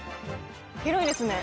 広いですね。